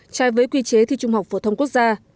trai với quy chế thi trung học phổ thông quốc gia